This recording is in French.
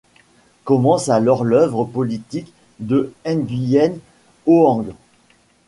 Commence alors l’œuvre politique de Nguyễn Hoàng.